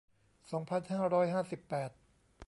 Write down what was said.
สองพันห้าร้อยห้าสิบแปด